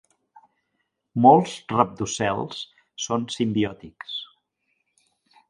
Molts rabdocels són simbiòtics.